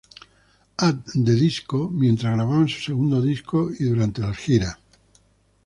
At The Disco mientras grababan su segundo disco y durante las giras.